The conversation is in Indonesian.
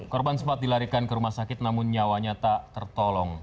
korban sempat dilarikan ke rumah sakit namun nyawanya tak tertolong